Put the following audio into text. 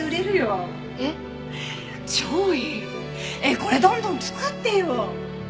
これどんどん作ってよ。